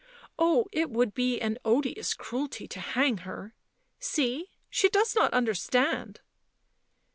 Oh, it would be an odious cruelty to hang her !— see, she does not understand